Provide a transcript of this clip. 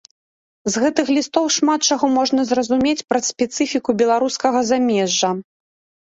З гэтых лістоў шмат чаго можна зразумець пра спецыфіку беларускага замежжа.